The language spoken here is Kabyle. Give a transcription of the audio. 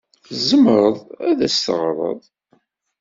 Tzemreḍ ad as-teɣreḍ?